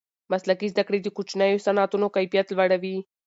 مسلکي زده کړې د کوچنیو صنعتونو کیفیت لوړوي.